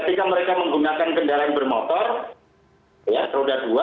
ketika mereka menggunakan kendaraan bermotor ya roda dua